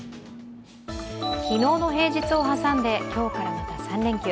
昨日の平日を挟んで今日からまた３連休。